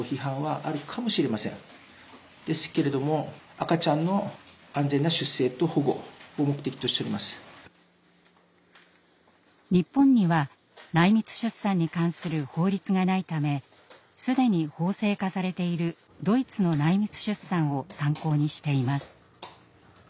お母さんの日本には内密出産に関する法律がないため既に法制化されているドイツの内密出産を参考にしています。